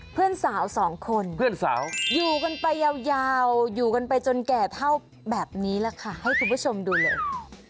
เพื่อนสาวสองคนเพื่อนสาวอยู่กันไปยาวอยู่กันไปจนแก่เท่าแบบนี้แหละค่ะให้คุณผู้ชมดูเลย